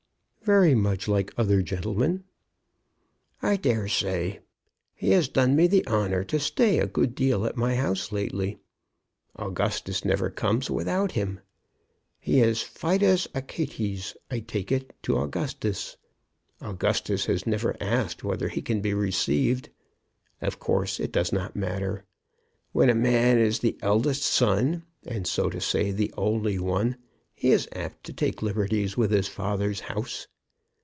"Very much like other gentlemen." "I dare say. He has done me the honor to stay a good deal at my house lately. Augustus never comes without him. He is 'Fidus Achates,' I take it, to Augustus. Augustus has never asked whether he can be received. Of course it does not matter. When a man is the eldest son, and, so to say, the only one, he is apt to take liberties with his father's house.